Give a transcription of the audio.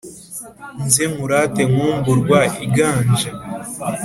Nze nkurate nkumburwa iganje